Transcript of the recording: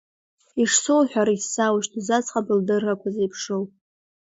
Ишсоуҳәара исзааушьҭыз аӡӷаб лдыррақәа зеиԥшроу!